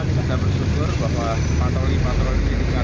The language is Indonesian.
kita bersyukur bahwa patroli patroli ini